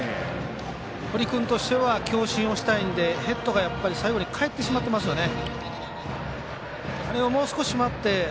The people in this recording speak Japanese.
堀君としてはやっぱり、ヘッドが最後に返ってしまってますよね。